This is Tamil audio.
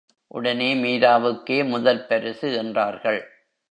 உடனே மீராவுக்கே முதல் பரிசு என்றார்கள்.